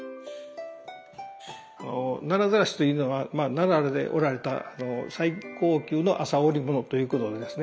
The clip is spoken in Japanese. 奈良晒というのは奈良で織られた最高級の麻織物ということでですね